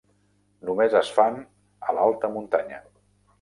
Només es fan a l'alta muntanya.